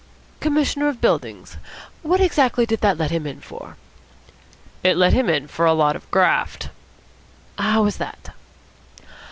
"Commissioner of Buildings? What exactly did that let him in for?" "It let him in for a lot of graft." "How was that?"